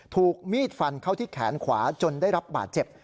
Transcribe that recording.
ถูกมีดฟันเข้าที่แขนขวาจนได้รับบาดเจ็บ